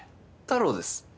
太郎です。